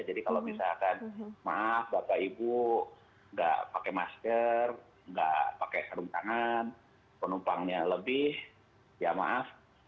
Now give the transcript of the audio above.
jadi kalau misalkan maaf bapak ibu nggak pakai masker nggak pakai serung tangan penumpangnya lebih ya maaf